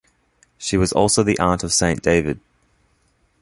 She was also the aunt of Saint David.